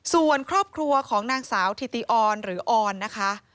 ส่วนครอบครัวของนางสาวธิติออนหรือออนนะคะ